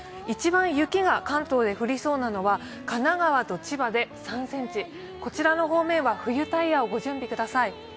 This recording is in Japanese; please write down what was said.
一番雪が関東で降りそうなのは神奈川と千葉で３ｃｍ、こちらの方面は冬タイヤをご準備ください。